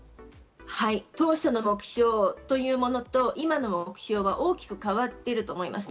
当初の目標というものと、今の目標は大きく変わっていると思います。